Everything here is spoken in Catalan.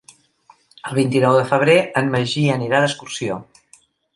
El vint-i-nou de febrer en Magí anirà d'excursió.